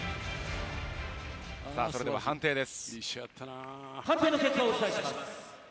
それでは判定です。